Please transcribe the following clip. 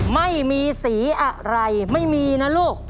ไม่มีสีอะไรไม่มีนะลูก